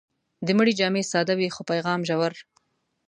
د مړي جامې ساده وي، خو پیغام ژور.